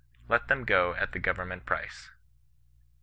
Let them go at the government price.'